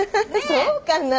そうかな？